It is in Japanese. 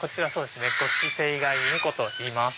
ゴシキセイガイインコといいます。